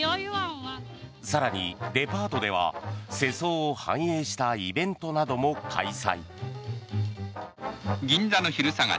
更にデパートでは世相を反映したイベントなども開催。